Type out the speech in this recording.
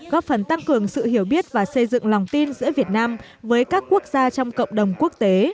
góp phần tăng cường sự hiểu biết và xây dựng lòng tin giữa việt nam với các quốc gia trong cộng đồng quốc tế